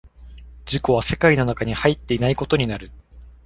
自己は世界の中に入っていないことになる。